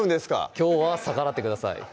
きょうは逆らってください